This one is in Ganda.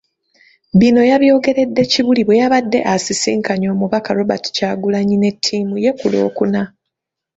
Bino yabyogeredde Kibuli bwe yabadde asisinkanye Omubaka Robert Kyagulanyi ne ttiimu ye ku Lwokuna.